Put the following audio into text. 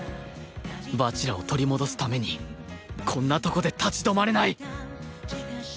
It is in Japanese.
蜂楽を取り戻すためにこんなとこで立ち止まれない！